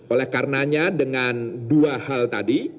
oleh karenanya dengan dua hal tadi